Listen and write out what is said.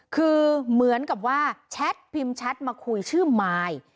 คือเหมือนกับว่าแชทพิมพ์แชทมาคุยชื่อมาย